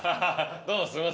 「どうもすいません」